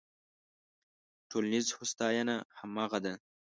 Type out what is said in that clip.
ټولنیزه هوساینه همغه ده.